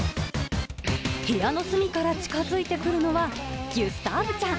部屋の隅から近づいてくるのはギュスターヴちゃん。